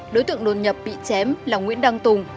đối tượng đồn nhập bị chém là nguyễn đăng tùng